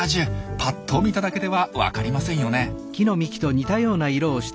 ぱっと見ただけでは分かりませんよね。